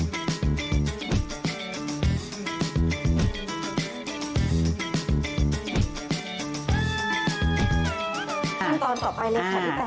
ขั้นตอนต่อไปเลยค่ะพี่แต